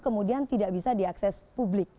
kemudian tidak bisa diakses publik